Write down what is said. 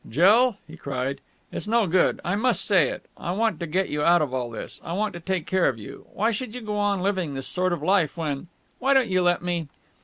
"Jill!" he cried. "It's no good. I must say it! I want to get you out of all this. I want to take care of you. Why should you go on living this sort of life, when.... Why won't you let me...?"